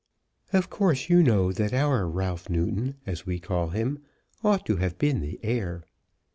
"Of course you know that our Ralph Newton, as we call him, ought to have been the heir."